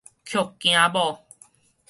抾囝母